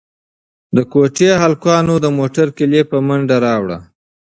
د حجرې هلکانو د موټر کیلي په منډه راوړه.